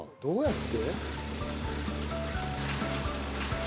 どうやって？